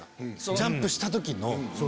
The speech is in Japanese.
ジャンプした時の。